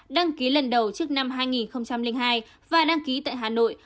đăng ký lần đầu trước năm hai nghìn hai và đăng ký tại hà nội